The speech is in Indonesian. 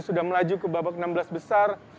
sudah melaju ke babak enam belas besar